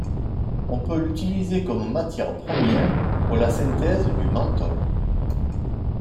On peut l'utiliser comme matière première pour la synthèse du menthol.